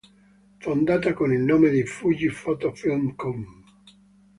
Fondata con il nome di "Fuji Photo Film Co.